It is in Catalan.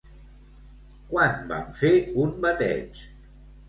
Quan van fer un bateig?